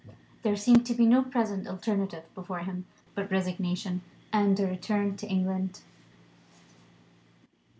There seemed to be no present alternative before him but resignation, and a return to England.